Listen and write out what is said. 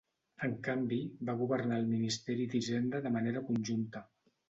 En canvi, va governar el Ministeri d'Hisenda de manera conjunta.